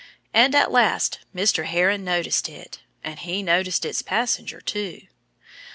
And at last Mr. Heron noticed it. And he noticed its passenger, too.